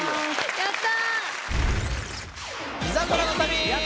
やった！